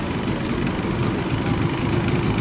คิมก็ขอด้วยครับขอขอบคุณครับ